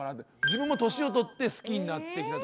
自分も年を取って好きになってきた